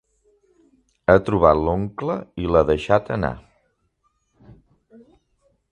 Ha trobat l'oncle i l'ha deixat anar.